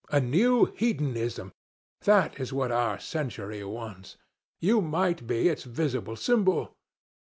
A new Hedonism—that is what our century wants. You might be its visible symbol.